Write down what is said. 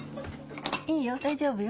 いいよ大丈夫よ。